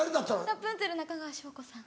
ラプンツェル中川翔子さん。